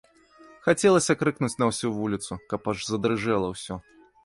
Хацелася крыкнуць на ўсю вуліцу, каб аж задрыжэла ўсё.